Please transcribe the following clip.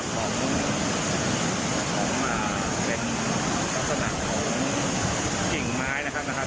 ของมาเป็นลักษณะของกิ่งไม้นะครับนะครับ